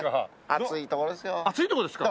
暑いとこですか？